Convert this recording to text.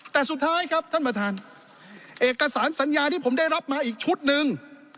แต่สุดท้ายครับท่านประธานเอกสารสัญญาที่ผมได้รับมาอีกชุดหนึ่ง